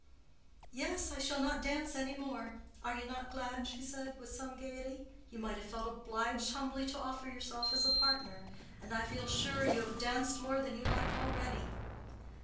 "Yes; I shall not dance any more. Are you not glad?" she said, with some gayety, "you might have felt obliged humbly to offer yourself as a partner, and I feel sure you have danced more than you like already."